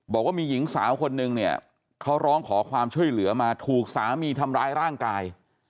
บอกว่ามีหญิงสาวคนนึงเนี่ยเขาร้องขอความช่วยเหลือมาถูกสามีทำร้ายร่างกาย